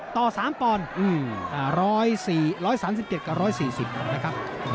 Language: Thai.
ต่อ๓ปอนด์๑๔๓๗กับ๑๔๐นะครับ